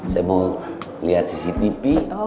saya mau lihat cctv